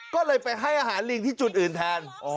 ก็เลยไปให้อาหารลิงที่จุดอื่นแทน